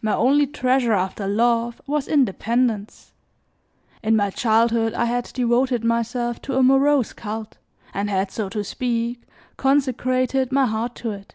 My only treasure after love, was independence. In my childhood I had devoted myself to a morose cult, and had, so to speak, consecrated my heart to it.